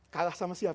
kalah sama siapa